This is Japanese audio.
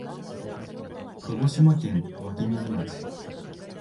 鹿児島県湧水町